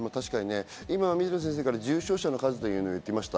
水野先生から重症者の数という話が出ました。